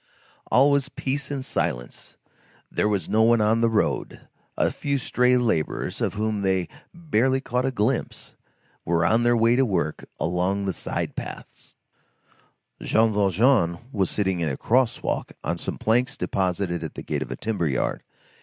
All was peace and silence; there was no one on the road; a few stray laborers, of whom they caught barely a glimpse, were on their way to their work along the side paths. Jean Valjean was sitting in a cross walk on some planks deposited at the gate of a timber yard.